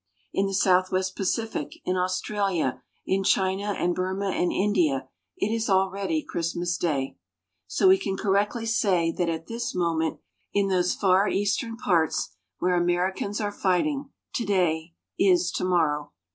In the Southwest Pacific, in Australia, in China and Burma and India, it is already Christmas Day. So we can correctly say that at this moment, in those far eastern parts where Americans are fighting, today is tomorrow.